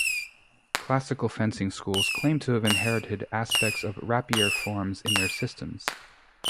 Classical fencing schools claim to have inherited aspects of rapier forms in their systems.